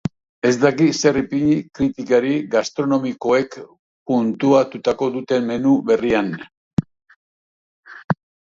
Ez daki zer ipini kritikari gastronomikoek puntuatuko duten menu berrian.